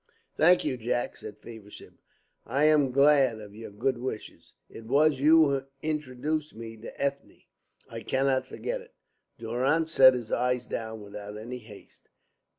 "Thank you, Jack!" said Feversham. "I am glad of your good wishes. It was you who introduced me to Ethne; I cannot forget it." Durrance set his glass down without any haste.